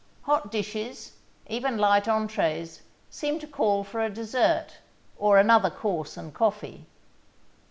Hot dishes, even light entrées, seem to call for a dessert, or another course and coffee.